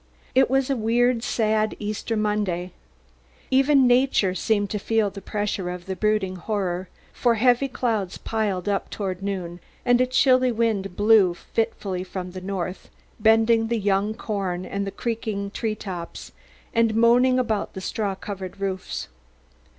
It was a weird, sad Easter Monday. Even nature seemed to feel the pressure of the brooding horror, for heavy clouds piled up towards noon and a chill wind blew fitfully from the north, bending the young corn and the creaking tree tops, and moaning about the straw covered roofs.